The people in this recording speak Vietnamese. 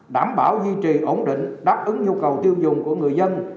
đảm bảo duy trì ổn định đáp ứng nhu cầu tiêu dùng của người dân